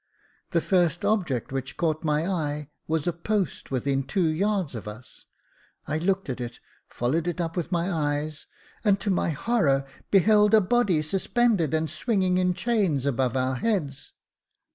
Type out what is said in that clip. The first object which caught my eye was a post within two yards of us. I looked at it, followed it up with my eyes, and, to my horror, beheld a body suspended and swinging in chains over our heads.